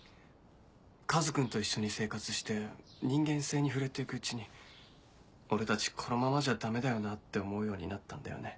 カズ君と一緒に生活して人間性に触れて行くうちに俺たちこのままじゃダメだよなって思うようになったんだよね。